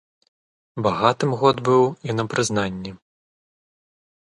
Багатым год быў і на прызнанні.